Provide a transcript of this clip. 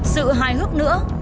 sự hài hước nữa